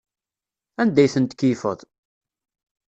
Anda ay ten-tkeyyfeḍ?